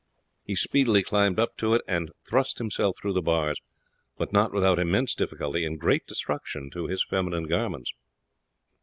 He speedily climbed up to it and thrust himself through the bars, but not without immense difficulty and great destruction to his feminine garments.